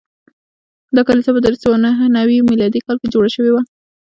دا کلیسا په درې سوه نهه نوي میلادي کال کې جوړه شوې وه.